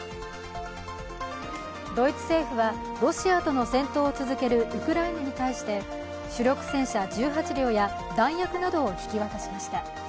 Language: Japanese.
ドイツ政府はロシアとの戦闘を続けるウクライナに対して主力戦車１８両や弾薬などを引き渡しました。